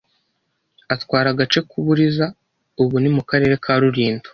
atwara agace k’u Buliza ubu ni mu Karere ka Rulindo